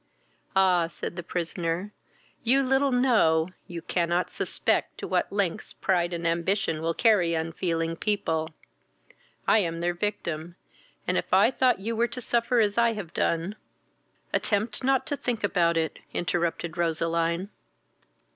"Ah! (said the prisoner) you little know, you cannot suspect to what lengths pride and ambition will carry unfeeling people. I am their victim, and if I thought you were to suffer as I have done " "Attempt not to think about it," interrupted Roseline.